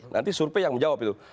nanti survei yang menjawab itu